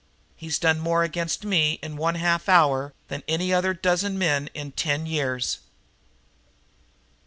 He's done more against me in one half hour than any other dozen men in ten years."